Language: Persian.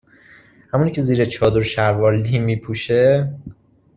همونی که زیر چادر شلوار لی می پوشه